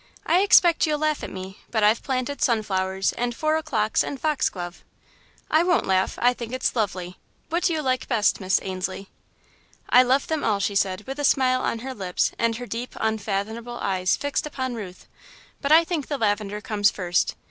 I expect you'll laugh at me, but I've planted sunflowers and four o'clocks and foxglove." "I won't laugh I think it's lovely. What do you like best, Miss Ainslie?" "I love them all," she said, with a smile on her lips and her deep, unfathomable eyes fixed upon Ruth, "but I think the lavender comes first.